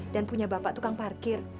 dan punya bapak tukang parkir